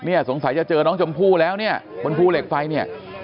เนี่ยสงสัยเจอน้องชมพู่แล้วเนี่ยฝนพู่เหล็กไฟเนี่ย